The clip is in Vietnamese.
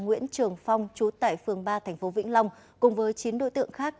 nguyễn trường phong trú tại phương ba thành phố vĩnh long cùng với chín đối tượng khác